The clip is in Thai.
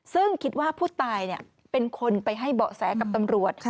ซึ่งคิดว่าผู้ตายเป็นคนไปให้เบาะแสกับตำรวจ